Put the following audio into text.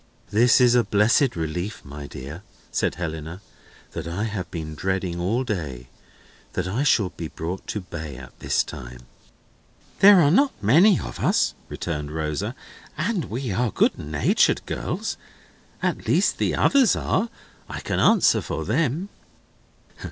"This is a blessed relief, my dear," said Helena. "I have been dreading all day, that I should be brought to bay at this time." "There are not many of us," returned Rosa, "and we are good natured girls; at least the others are; I can answer for them."